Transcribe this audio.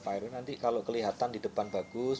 pak heru nanti kalau kelihatan di depan bagus